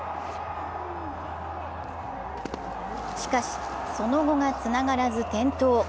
しかし、その後がつながらず転倒。